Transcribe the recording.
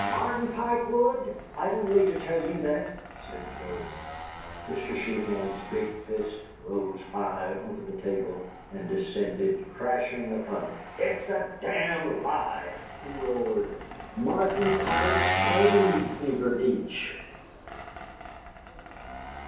"Martin Pike would?" "I don't need to tell you that," said Joe. Mr. Sheehan's big fist rose high over the table and descended crashing upon it. "It's a damn lie!" he roared. "Martin Pike owns Beaver Beach!"